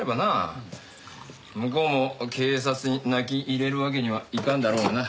向こうも警察に泣き入れるわけにはいかんだろうな。